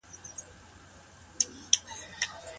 د سلطنت په کلونو کي چاپېریال څنګه و؟